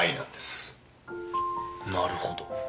なるほど。